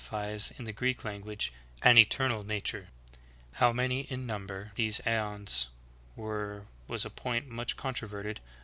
99 fies, in the Greek language, an eternal nature. How many in number these Aeons were was a point much controverted among the oriental sages.